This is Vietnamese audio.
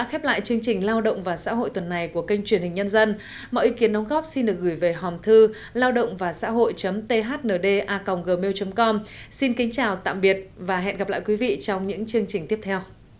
hãy đăng ký kênh để ủng hộ kênh của mình nhé